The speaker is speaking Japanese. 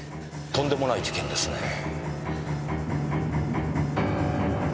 とんでもない事件ですねぇ。